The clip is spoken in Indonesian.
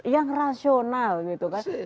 yang rasional gitu kan